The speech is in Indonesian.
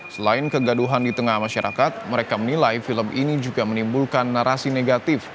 selain kegaduhan di tengah masyarakat mereka menilai film ini juga menimbulkan narasi negatif